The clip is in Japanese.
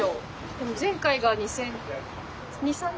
でも前回が２０００。